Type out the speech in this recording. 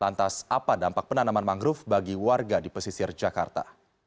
lantas apa dampak penanaman mangrove bagi warga di pesisir jakarta